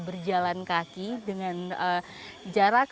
berjalan kaki dengan jarak